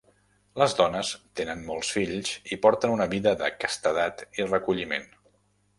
Les dones tenen molts fills i porten una vida de castedat i recolliment.